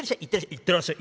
「行ってらっしゃい」。